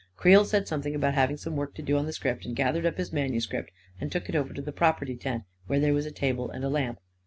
Creel said something about having some work to do on the script, and gathered up his manuscript 306 A KING IN BABYLON and took it over to the property tent, where there was a table and a lamp.